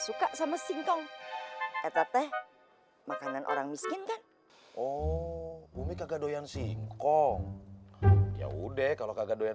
singkong eteteh makanan orang miskin kan oh umi kagak doyan singkong ya udah kalau kagak doyan